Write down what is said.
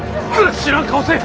知らん顔せえ！